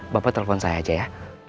bapak telepon saya aja ya